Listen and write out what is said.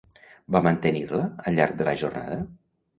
Va mantenir-la al llarg de la jornada?